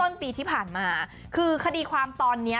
ช่วงต้นปีที่ผ่านมาคือคดีความตอนนี้